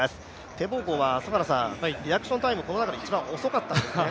テボゴはリアクションタイム、この中で一番遅かったんですね。